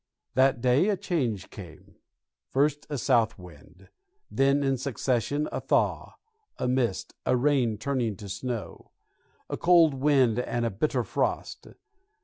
That day a change came; first a south wind, then in succession a thaw, a mist, a rain turning to snow, a cold wind and a bitter frost.